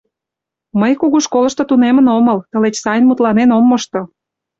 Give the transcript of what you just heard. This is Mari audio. Мый кугу школышто тунемын омыл, тылеч сайын мутланен ом мошто...